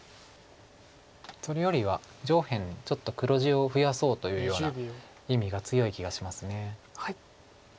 それよりは上辺ちょっと黒地を増やそうというような意味が強い気がします。